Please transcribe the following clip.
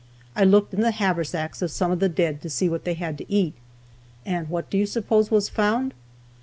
I looked in the haversacks of some of the dead to see what they had to eat, and what do you suppose was found?